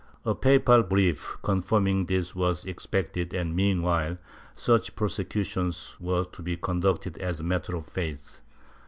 A papal brief confirming this was expected and meanwhile such prosecutions were to be conducted as matters of faith.